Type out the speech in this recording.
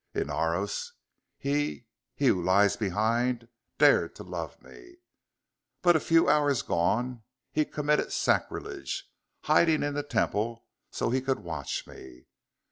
Inaros, he he who lies behind dared to love me. But a few hours gone he committed sacrilege, hiding in the Temple, so he could watch me.